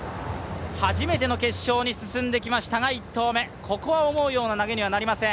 初めての決勝に進んできましたが、１投目、ここは思うような投げにはなりません。